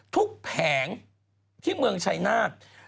ทุกแผงที่เมืองชัยนาศ